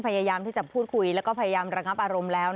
พูดคุยแล้วก็พยายามระงับอารมณ์แล้ว